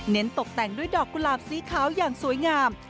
ตกแต่งด้วยดอกกุหลาบสีขาวอย่างสวยงาม